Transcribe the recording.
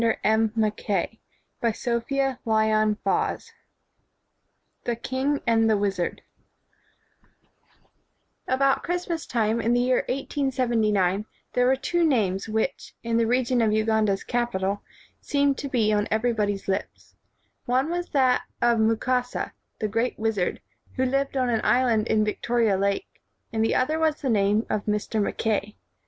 110 CHAPTER VI THE KING AND THE WIZARD A BOUT Christmas time in the year 1879, £^ there were two names which, in the region of Uganda's capital, seemed to be on everybody's lips. One was that of Mu kasa, the great wizard who lived on an is land in Victoria Lake, and the other was the name of Mr. Mackay.